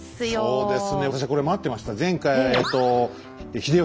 そうです！